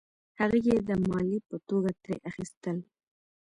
هغه یې د مالیې په توګه ترې اخیستل.